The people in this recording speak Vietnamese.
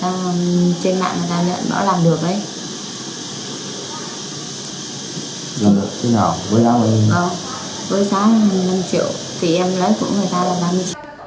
có với đáu năm triệu thì em lấy cũng người ta làm ra năm triệu